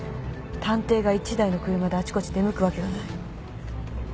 探偵が１台の車であちこち出向くわけがない。